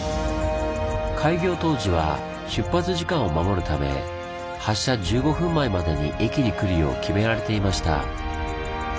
開業当時は出発時間を守るため発車１５分前までに駅に来るよう決められていました。